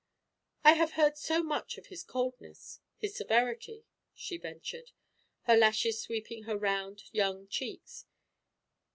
"I have heard so much of his coldness, his severity," she ventured, her lashes sweeping her round young cheeks.